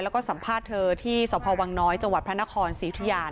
แล้วก็สัมภาษณ์เธอที่สพนจังหวัดพระนครศิษยา